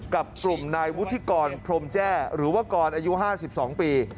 กับกลุ่มนายวุฒิกรพรมแจ้หรือว่ากรอายุ๕๒ปี